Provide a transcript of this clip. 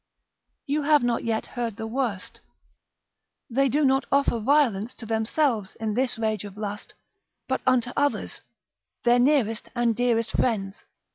You have not yet heard the worst, they do not offer violence to themselves in this rage of lust, but unto others, their nearest and dearest friends.